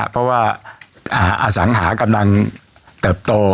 เพราะว่าอสังหากำลังเติบโต